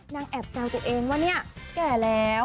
แอบแซวตัวเองว่าเนี่ยแก่แล้ว